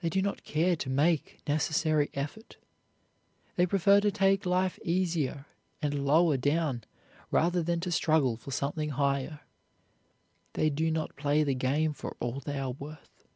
They do not care to make necessary effort. They prefer to take life easier and lower down rather than to struggle for something higher. They do not play the game for all they are worth.